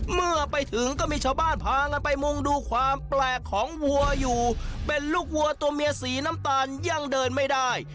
เมื่อไปถึงก็มีชาวบ้านพากันไปมุ่งดูความแปลกของวัวอยู่เป็นลูกวัวตัวเมียสีน้ำตาลยังเดินไม่ได้